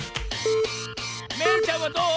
めいちゃんはどう？